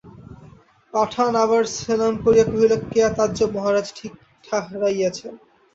পাঠান আবার সেলাম করিয়া কহিল, কেয়া তাজ্জব, মহারাজ, ঠিক ঠাহরাইয়াছেন।